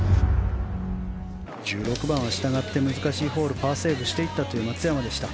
１６番はしたがって難しいホールパーセーブしていったという松山でした。